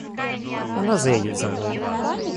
Она заедет за мной.